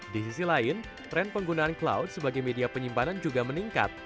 di sisi lain tren penggunaan cloud sebagai media penyimpanan juga meningkat